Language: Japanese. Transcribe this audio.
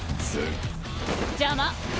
邪魔！